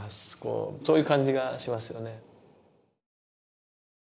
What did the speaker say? そういう感じがしますよね。